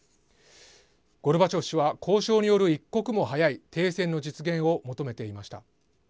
ゴルバチョフ氏は交渉による一刻も早い停戦の実現を求めていました。